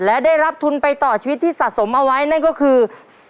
และได้รับทุนไปต่อชีวิตที่สะสมเอาไว้นั่นก็คือ